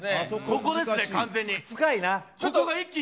ここですね完全に。